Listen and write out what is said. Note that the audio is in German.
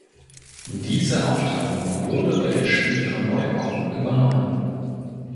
Diese Aufteilung wurde bei den späteren Neubauten übernommen.